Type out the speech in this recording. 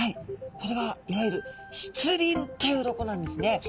これはいわゆる鱗という鱗なんですね